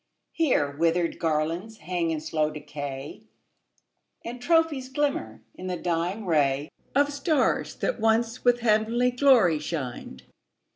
Here, withered garlands hang in slow decay, And trophies glimmer in the dying ray Of stars that once with heavenly glory shined.